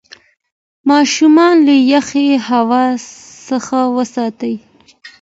ماشومان له یخې هوا څخه وساتئ.